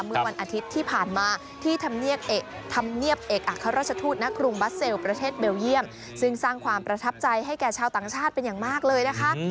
นึงวันอาทิตย์ที่ผ่านมาที่ทำเงี๊ยบเอกรรชศูนย์ชีวิตในใครงบรรเซลประเทศเบเวลเยียมซึ่งสร้างความประทับใจให้ชาวต่างชาติเป็นอย่างมากเลยนะคะ